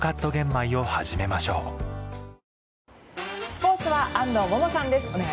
スポーツは安藤萌々さんです。